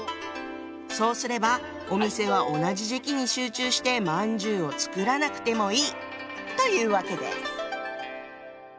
そうすればお店は同じ時期に集中してまんじゅうを作らなくてもいいというわけです。